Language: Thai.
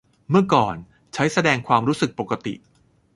เมื่อก่อนใช้แสดงความรู้สึกปกติ